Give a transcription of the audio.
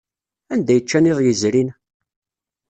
Anda ay ččan iḍ yezrin?